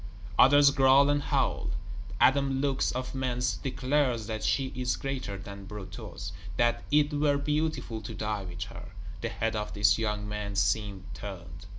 Others growl and howl. Adam Lux, of Mentz, declares that she is greater than Brutus; that it were beautiful to die with her; the head of this young man seems turned.